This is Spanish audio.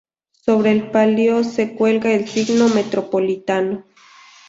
Sobre el palio se cuelga el signo metropolitano.